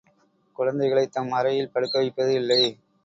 குழந்தைகளைத் தம் அறையில் படுக்கவைப்பது இல்லை.